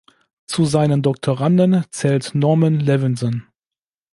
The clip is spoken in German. Zu seinen Doktoranden zählt Norman Levinson.